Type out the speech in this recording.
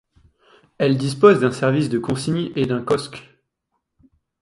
Elle dispose d'un service de consigne et d'un kosque.